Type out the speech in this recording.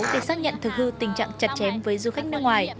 để xác nhận thực hư tình trạng chặt chém với du khách nước ngoài